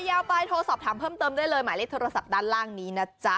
ยาวไปโทรสอบถามเพิ่มเติมได้เลยหมายเลขโทรศัพท์ด้านล่างนี้นะจ๊ะ